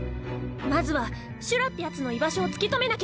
まずはシュラってヤツの居場所を突き止めなきゃね。